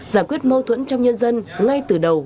giải quyết mâu thuẫn trong nhân dân ngay từ đầu